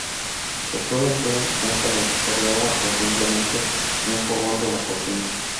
Se suele emplear un calentador de agua, o simplemente un fogón de la cocina.